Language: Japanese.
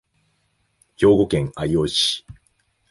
兵庫県相生市